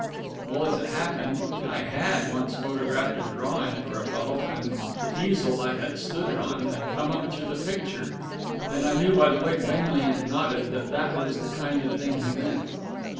Well, as it happened, I had once photographed a drawing for a fellow, and the easel I had stood it on had come up through the picture; and I knew by the way Benlian nodded that that was the kind of thing he meant.